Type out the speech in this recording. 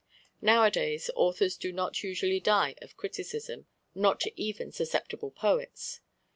Nowadays authors do not usually die of criticism, not even susceptible poets.